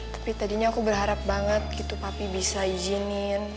tapi tadinya aku berharap banget gitu papi bisa izinin